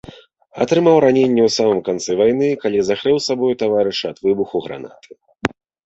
Атрымаў раненні ў самым канцы вайны, калі закрыў сабой таварыша ад выбуху гранаты.